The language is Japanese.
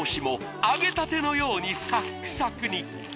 揚げたてのようにサクサクに！